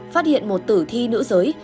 phát hiện một tử thi nữ giới